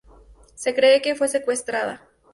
Se cree que fue secuestrada.